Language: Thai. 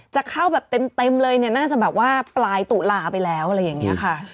จะเข้าแบบเต็มเลยเนี่ยน่าจะแบบว่าปลายตุลาไปแล้วอะไรอย่างนี้ค่ะ